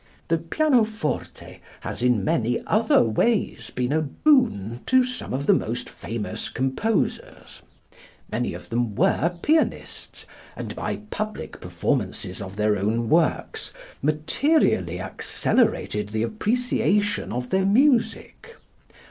The pianoforte has in many other ways been a boon to some of the most famous composers. Many of them were pianists, and by public performances of their own works materially accelerated the appreciation of their music.